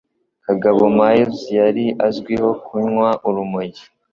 Kagabo Miles yari azwiho kunywa urumogi